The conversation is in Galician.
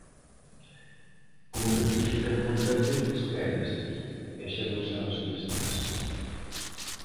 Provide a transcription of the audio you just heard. Como rectifican tantas veces, pérdeste, e xa non sabes onde estás.